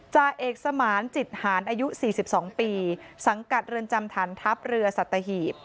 จ่าเอกสมานจิตหารอายุ๔๒ปีสังกัดเรือนจำฐานทัพเรือสัตหีบ